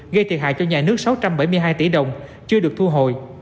gây thiệt hại cho nhà nước sáu trăm bảy mươi hai tỷ đồng chưa được thu hồi